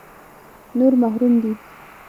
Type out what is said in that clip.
نور محروم دي.